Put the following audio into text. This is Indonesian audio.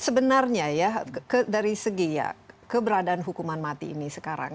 sebenarnya ya dari segi ya keberadaan hukuman mati ini sekarang